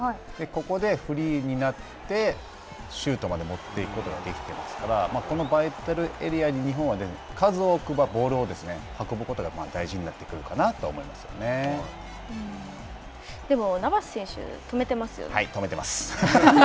ここでフリーになって、シュートまで持っていくことができていますからこのバイタルエリアに日本は数多くボールを運ぶことが大事になってくるかなと思いますでもナバス選手はい、止めてます。